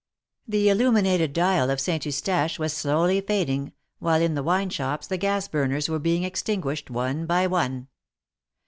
The illuminated dial of Saint Eustache was slowly fad ing, while in the wine shops the gas burners were being extinguished one by one.